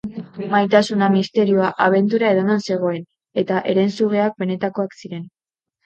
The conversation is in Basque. Maitasuna misterioa, abentura edonon zegoen... eta herensugeak benetakoak ziren.